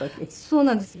そうなんです。